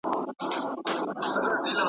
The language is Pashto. د شعر مانا له شاعر سره وي